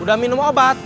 udah minum obat